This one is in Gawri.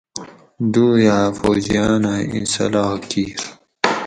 دوئ ھا فوجیان ھہ ایں صلاح کیِر